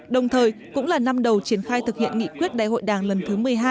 đồng thời cũng là năm đầu triển khai thực hiện nghị quyết đại hội đảng lần thứ một mươi hai